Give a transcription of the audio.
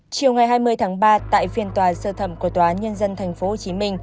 chiều ngày hai mươi tháng ba tại phiên tòa sơ thẩm của tòa nhân dân tp hcm